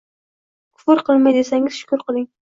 Kufr qilmay desangiz, shukr qiling.